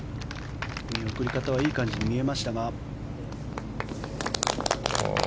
見送り方はいい感じに見えましたが。